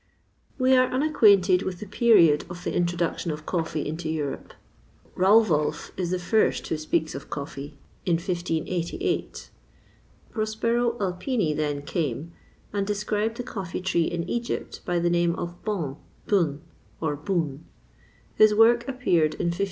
We are unacquainted with the period of the introduction of coffee into Europe. Rauwolf is the first who speaks of coffee, in 1588. Prospero Alpini then came, and described the coffee tree in Egypt by the name of bon, bun, or boun: his work appeared in 1591.